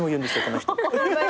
この人。